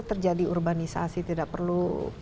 terjadi urbanisasi tidak perlu